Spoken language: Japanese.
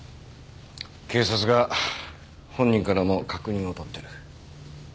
警察が本人からも確認を取ってる。